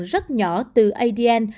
rất nhỏ từ adn